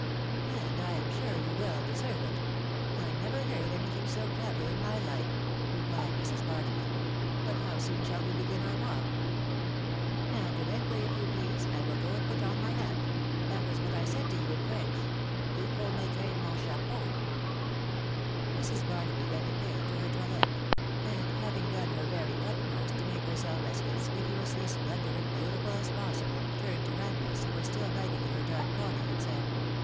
" And Tm sure you well deserve it. I never heard any thing so clever in my life," replied Mrs. Barnaby. " But how soon shall we begin our walk ?" iC Now directly, if you please ...• I will go and put on my hat .... that was what I said to you in French .... Eel/oh meytra mong shappo? Mrs. Barnaby then repaired to her toilet ; and having done her very utmost to make herself as conspicuously splendid and beautiful as possible, turned to Agnes, who was still writing in her dark corner, and said